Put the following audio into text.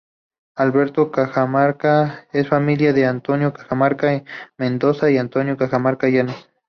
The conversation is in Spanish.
Alberto Cajamarca es familiar de Antonio Cajamarca Mendoza y Antonio Cajamarca Yánez.